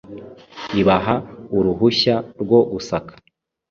ibaha uruhushya rwo gusaka.